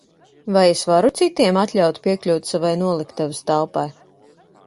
Vai es varu citiem atļaut piekļūt savai noliktavas telpai?